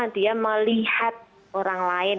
dia melihat orang lain